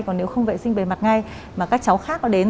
còn nếu không vệ sinh bề mặt ngay mà các cháu khác có đến